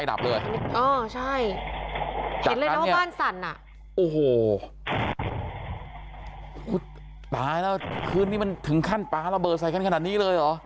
ตายแล้วคืนนี้มันถึงขั้นปลาระเบิดใส่กันขนาดนี้เลยเหรอ